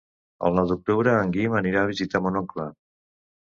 El nou d'octubre en Guim anirà a visitar mon oncle.